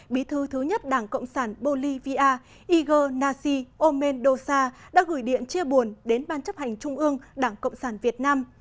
bí thư thứ nhất đảng cộng sản bolivia igor nasi omendosa đã gửi điện chia buồn đến ban chấp hành trung ương đảng cộng sản việt nam